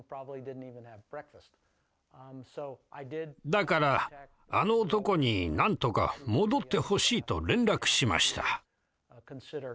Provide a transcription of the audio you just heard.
だからあの男になんとか戻ってほしいと連絡しました。